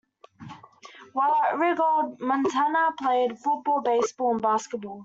While at Ringgold, Montana played football, baseball, and basketball.